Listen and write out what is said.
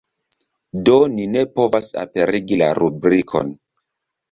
Do ni ne povas aperigi la rubrikon.